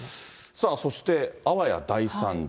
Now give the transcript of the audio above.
さあそして、あわや大惨事。